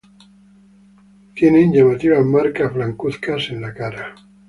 Tienen llamativas marcas blancuzcas en la cara.